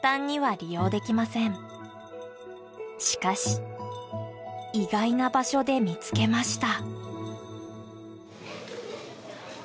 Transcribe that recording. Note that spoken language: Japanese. しかし意外な場所で見つけました。